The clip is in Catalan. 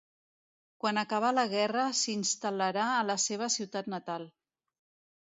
Quan acabà la guerra s'instal·larà a la seva ciutat natal.